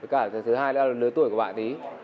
cả thứ hai nữa là lứa tuổi của bạn ý